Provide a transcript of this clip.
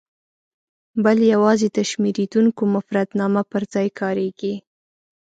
بل یوازې د شمېرېدونکي مفردنامه پر ځای کاریږي.